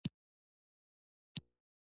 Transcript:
شیام او ملګرو یې پرانیستي بنسټونه جوړ نه کړل